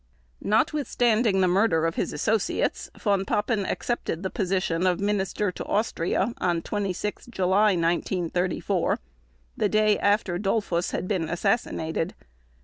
Notwithstanding the murder of his associates, Von Papen accepted the position of Minister to Austria on 26 July 1934, the day after Dollfuss had been assassinated.